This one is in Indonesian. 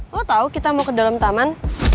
gue tau kita mau ke dalam taman